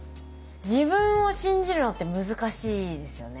自分を信じるのって難しいですよね。